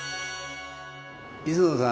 磯野さん